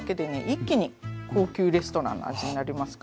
一気に高級レストランの味になりますから。